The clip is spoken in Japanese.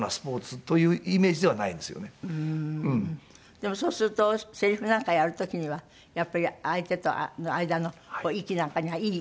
でもそうするとセリフなんかやる時にはやっぱり相手との間の息なんかにはいい？